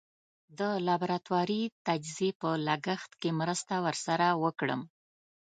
د لابراتواري تجزیې په لګښت کې مرسته ور سره وکړم.